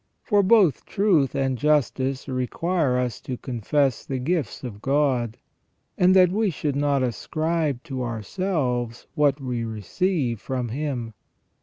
For both truth and justice require us to confess the gifts of God, and that we should not ascribe to ourselves what we receive from Him.